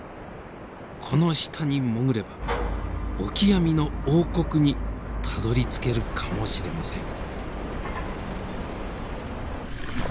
この下に潜ればオキアミの王国にたどりつけるかもしれません。